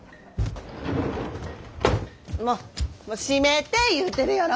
閉めて言うてるやろ！